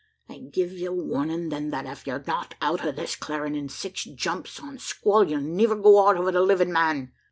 I gi' ye warnin' then, that ef ye're not out o' this clarin' in six jumps o' a squ'll, you'll niver go out o' it a livin' man.